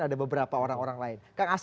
ada beberapa orang orang lain